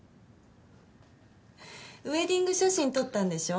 ウエディング写真撮ったんでしょ？